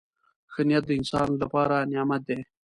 • ښه نیت د انسان لپاره نعمت دی.